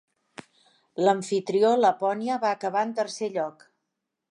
L'amfitrió, Lapònia, va acabar en tercer lloc.